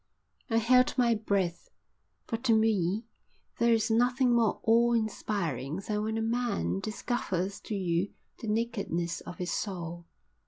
I held my breath, for to me there is nothing more awe inspiring than when a man discovers to you the nakedness of his soul.